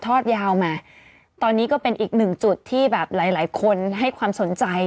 อดยาวมาตอนนี้ก็เป็นอีกหนึ่งจุดที่แบบหลายหลายคนให้ความสนใจ